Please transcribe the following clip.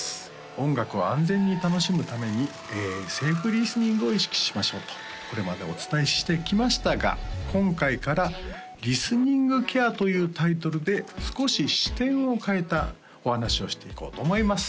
音楽を安全に楽しむためにセーフリスニングを意識しましょうとこれまでお伝えしてきましたが今回からリスニングケアというタイトルで少し視点を変えたお話をしていこうと思います